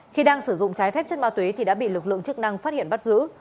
khi đang sử dụng trái phép chất ma túy thì đã bị lực lượng chức năng phát hiện bắt giữ